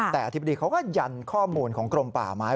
แต่อธิบดีเขาก็ยันข้อมูลของกรมป่าไม้